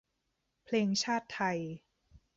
เพลงชาติไทย